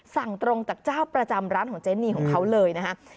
สั่งตรงจากเจ้าประจำร้านของเจนีของเขาเลยนะครับ